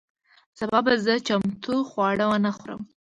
سبا به زه چمتو خواړه ونه خورم.